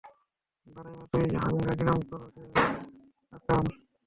ভাদাইম্মা তুই, হাঙ্গা গ্রামে করো যে আকাম।